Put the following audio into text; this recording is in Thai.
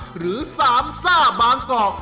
หรือสามซ่าบางกอก